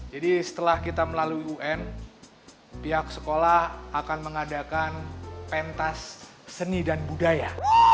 jadi setelah kita melalui un pihak sekolah akan mengadakan pentas seni dan budaya